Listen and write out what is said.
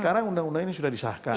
karena ini sudah disahkan